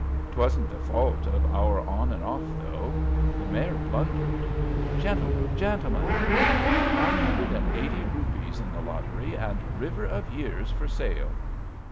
^' 'Twasn't the fault of our on and off, though. The naare blundered. Gentlemen! gentlemen! Nine hundred and eighty rupees in the lottery, and Biver of Years for sale!